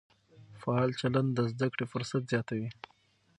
فعال چلند د زده کړې فرصت زیاتوي.